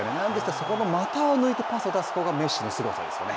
そこの股を抜いてパスを出すほうがメッシのすごさですよね。